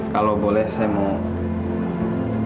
kalau boleh saya minta